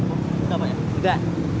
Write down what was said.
oh ini apanya